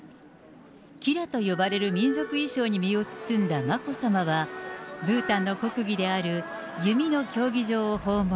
キラと呼ばれる民族衣装に身を包んだ眞子さまは、ブータンの国技である弓の競技場を訪問。